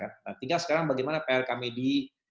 nah tinggal sekarang bagaimana pr kami di